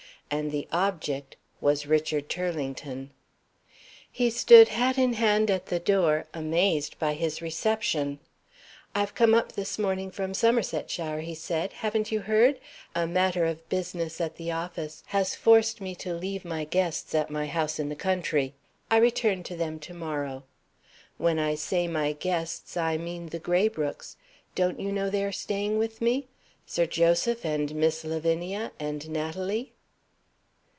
And the object was Richard Turlington. He stood hat in hand at the door, amazed by his reception. "I have come up this morning from Somersetshire," he said. "Haven't you heard? A matter of business at the office has forced me to leave my guests at my house in the country. I return to them to morrow. When I say my guests, I mean the Graybrookes. Don't you know they are staying with me? Sir Joseph and Miss Lavinia and Natalie?"